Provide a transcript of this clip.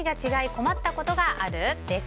困ったことがある？です。